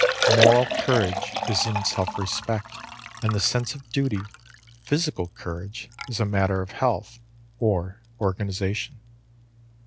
Moral courage is in self respect and the sense of duty; physical courage is a matter of health or organization.